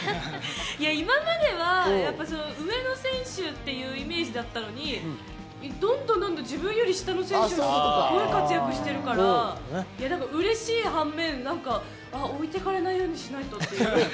今までは上の選手っていうイメージだったのにどんどんどんどん自分より下の選手が出てきて活躍してきてるから、うれしい反面、置いて行かれないようにしないとって。